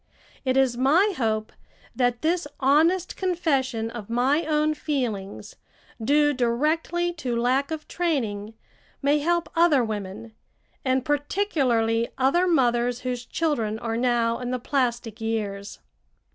It is my hope that this honest confession of my own feelings, due directly to lack of training, may help other women, and particularly other mothers whose children are now in the plastic years.